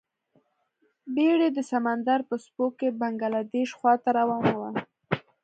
بیړۍ د سمندر په څپو کې بنګلادیش خواته روانه وه.